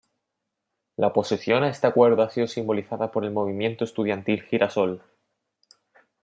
La oposición a este acuerdo ha sido simbolizada por el movimiento estudiantil Girasol.